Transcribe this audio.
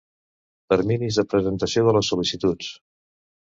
Terminis de presentació de les sol·licituds.